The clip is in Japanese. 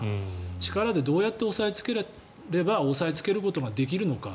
力でどうやって抑えつければ抑えつけることができるのか。